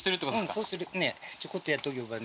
そうするとねちょこっとやっておけばね